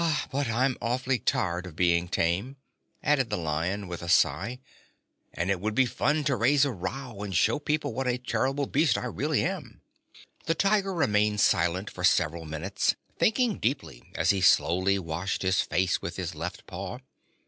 But I'm awfully tired of being tame," added the Lion, with a sigh, "and it would be fun to raise a row and show people what a terrible beast I really am." The Tiger remained silent for several minutes, thinking deeply as he slowly washed his face with his left paw.